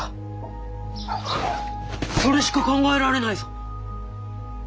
それしか考えられないぞ！